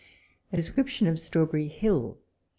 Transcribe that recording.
A DESCRIPTION OF STBAWIiERItY HILL.